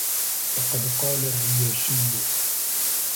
وَقَدْ قَالَ الرِّيَاشِيُّ